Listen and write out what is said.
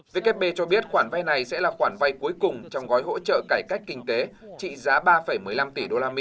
vkp cho biết khoản vay này sẽ là khoản vay cuối cùng trong gói hỗ trợ cải cách kinh tế trị giá ba một mươi năm tỷ usd